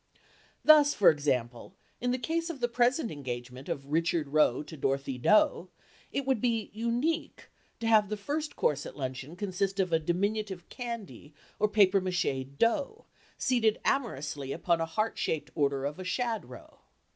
Thus, for example, in the case of the present engagement of Richard Roe to Dorothy Doe it would be "unique" to have the first course at luncheon consist of a diminutive candy or paper mache doe seated amorously upon a heart shaped order of a shad roe.